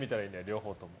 両方とも。